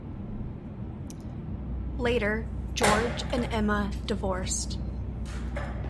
Later George and Emma divorced.